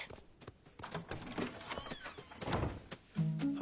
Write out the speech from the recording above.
あ？